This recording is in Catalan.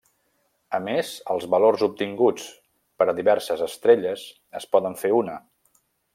A més, els valors obtinguts per a diverses estrelles es poden fer una.